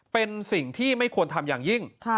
เป็นสิ่งที่ไม่ควรทำอย่างยิ่ง